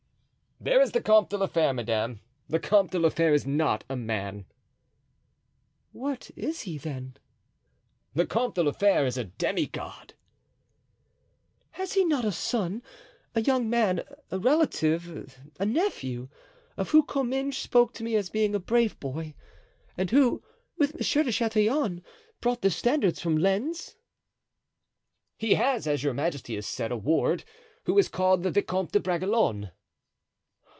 "There is the Comte de la Fere, madame. The Comte de la Fere is not a man." "What is he, then?" "The Comte de la Fere is a demi god." "Has he not a son, a young man, a relative, a nephew, of whom Comminges spoke to me as being a brave boy, and who, with Monsieur de Chatillon, brought the standards from Lens?" "He has, as your majesty has said, a ward, who is called the Vicomte de Bragelonne."